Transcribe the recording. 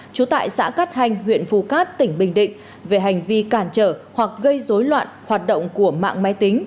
trú tại xã cát hanh huyện phù cát tỉnh bình định về hành vi cản trở hoặc gây dối loạn hoạt động của mạng máy tính